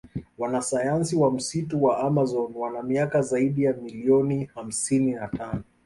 Wanasayansi wa msitu wa amazon wana miaka zaidi ya million hamsini na tano